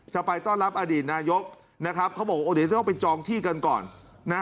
จะไปต้อนรับอดีตนายกนะครับเขาบอกว่าเดี๋ยวจะต้องไปจองที่กันก่อนนะ